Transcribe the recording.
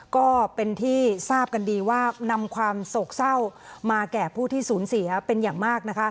ก็เป็นที่ทราบกันดีว่านำความโศกเศร้ามาแก่ผู้ที่สูญเสียเป็นอย่างมาก